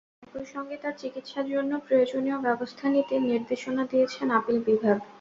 একই সঙ্গে তাঁর চিকিৎসার জন্য প্রয়োজনীয় ব্যবস্থা নিতে নির্দেশনা দিয়েছেন আপিল বিভাগ।